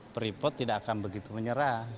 freeport tidak akan begitu menyerah